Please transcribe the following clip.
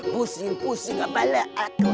pusing pusing kepala aku